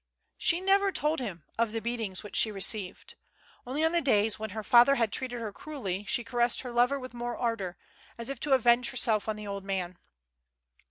She never told him of the beatings which she re ceived. Only on the days when her father had treated her cruelly she caressed her lover with more ardor, as if to avenge herself on the old man.